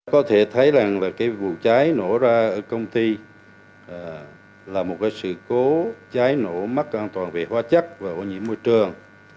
có thể thấy là cái vụ cháy nổ ra ở công ty là một sự cố cháy nổ mắc an toàn về hoa chất và ô nhiễm môi trường